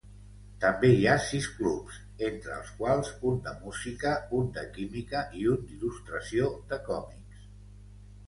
També hi ha sis clubs, entre els quals un de música, un de química i un d'il·lustració de còmics.